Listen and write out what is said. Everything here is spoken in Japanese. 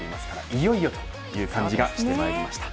いよいよという感じがしてまいりました。